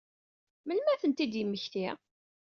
Melmi ara ad tent-id-yemmekti?